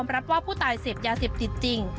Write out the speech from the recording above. รับว่าผู้ตายเสพยาเสพติดจริง